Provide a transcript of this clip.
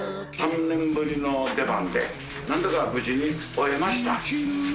３年ぶりの出番で何とか無事に終えました。